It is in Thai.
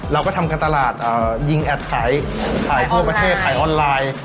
เราก็ทำการตลาดยิงแอดขายทั่วประเทศขายออนไลน์